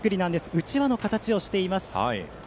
うちわの形をしています。